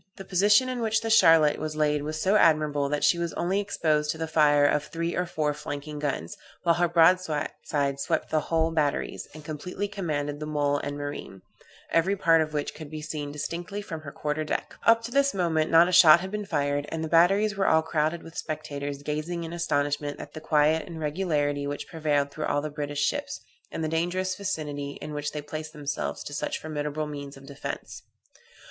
The position in which the Queen Charlotte was laid was so admirable that she was only exposed to the fire of three or four flanking guns, while her broadside swept the whole batteries, and completely commanded the mole and marine, every part of which could be seen distinctly from her quarter deck. Up to this moment not a shot had been fired, and the batteries were all crowded with spectators, gazing in astonishment at the quiet and regularity which prevailed through all the British ships, and the dangerous vicinity in which they placed themselves to such formidable means of defence.